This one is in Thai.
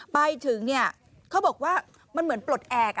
ไปถึงเขาบอกว่ามันเหมือนปลดแอบ